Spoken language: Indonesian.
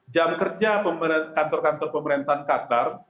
jam kerja kantor kantor pemerintahan qatar